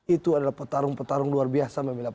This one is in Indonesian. itu adalah petarung petarung luar biasa